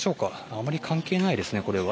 あまり関係ないですね、これは。